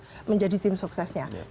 sehingga birokrasi diletakkan pada posisi